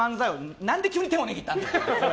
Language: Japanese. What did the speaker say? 何で、急に手を握ったんだよ。